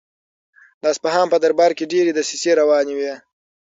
د اصفهان په دربار کې ډېرې دسیسې روانې وې.